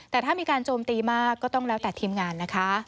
แต่ถ้ามีการโจมตีมากก็ต้องแล้วแต่ทีมงานนะคะ